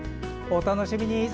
お楽しみに。